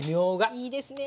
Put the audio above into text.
いいですね